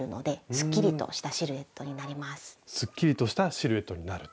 すっきりとしたシルエットになると。